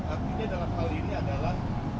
artinya dalam hal ini adalah